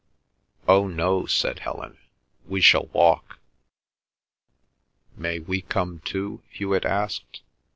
"Oh, no," said Helen; "we shall walk." "May we come too?" Hewet asked.